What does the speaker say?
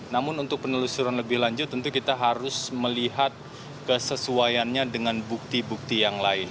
namun untuk penelusuran lebih lanjut tentu kita harus melihat kesesuaiannya dengan bukti bukti yang lain